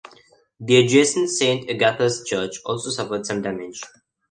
The adjacent Saint Agatha's Church also suffered some damage.